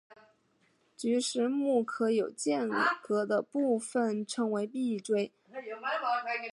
菊石目壳有间隔的部份称为闭锥。